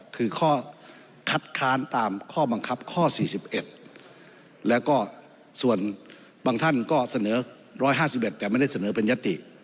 คือข้อคัดค้านตามข้อบังคับข้อ๔๑แล้วก็ส่วนบางท่านก็เสนอ๑๕๑แต่ไม่ได้เสนอเป็นยติ